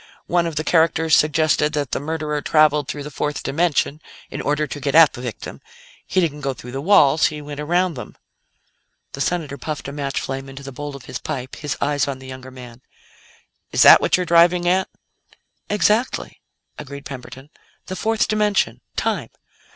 One of the characters suggested that the murderer traveled through the fourth dimension in order to get at the victim. He didn't go through the walls; he went around them." The Senator puffed a match flame into the bowl of his pipe, his eyes on the younger man. "Is that what you're driving at?" "Exactly," agreed Camberton. "The fourth dimension. Time.